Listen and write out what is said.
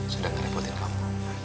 sudah nge reportin kamu